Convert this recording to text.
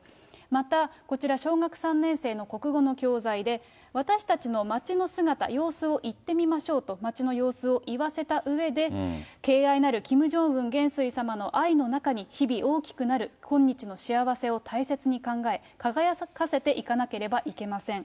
また、こちら、小学３年生の国語の教材で、私たちの町の姿、様子を言ってみましょうと、町の様子を言わせたうえで、敬愛なるキム・ジョンウン元帥様の愛の中に、日々大きくなる今日の幸せを大切に考え、輝かせていかなければいけません。